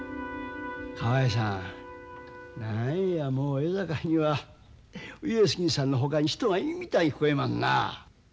河合さん何やもう江坂には上杉さんのほかに人がいんみたいに聞こえまんなあ。